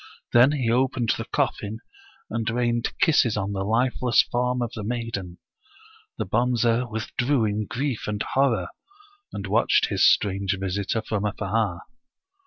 Then he opened the coffin, and rained kisses on the lifeless form of the maiden. The i8 The Power of Eloquence Bonze withdrew In grief and horror, and watched his strange visitor from afar.